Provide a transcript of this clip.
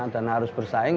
dan harus bersaing